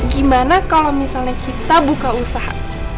gimana kalau misalnya kita buka usaha